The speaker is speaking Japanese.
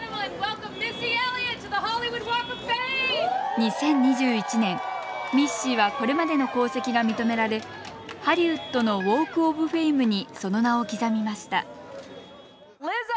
２０２１年ミッシーはこれまでの功績が認められハリウッドのウォーク・オブ・フェイムにその名を刻みました。